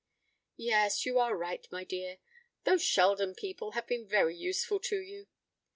"Yes, you are right, my dear. Those Sheldon people have been very useful to you.